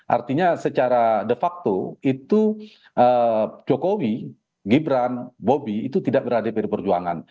artinya secara de facto itu jokowi gibran bobi itu tidak berada di pd perjuangan